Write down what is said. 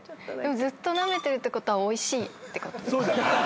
ずっとなめてるってことはおいしいってこと？